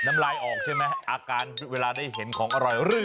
น้ำลายออกใช่ไหมอาการเวลาได้เห็นของอร่อย